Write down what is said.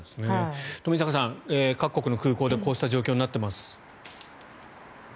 冨坂さん、各国の空港でこうした状況になっています。